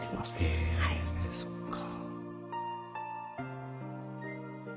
へえそっか。